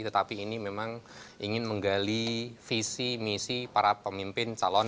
tetapi ini memang ingin menggali visi misi para pemimpin calon